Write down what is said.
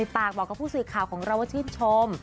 ปากบอกกับผู้สื่อข่าวของเราว่าชื่นชม